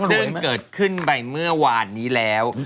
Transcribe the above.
ซึ่งเกิดขึ้นไปเมื่อวานนี้แล้ว